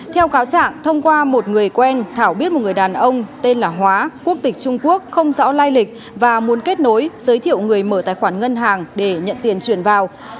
theo cáo trạng thông qua một người quen thảo biết một người đàn ông tên là hóa quốc tịch trung quốc không rõ lai lịch và muốn kết nối giới thiệu người mở tài khoản ngân hàng để nhận tiền chuyển vào